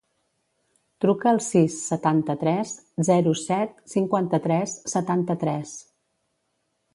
Truca al sis, setanta-tres, zero, set, cinquanta-tres, setanta-tres.